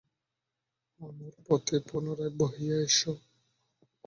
আমার পথে পুনরায় বহিয়া এস।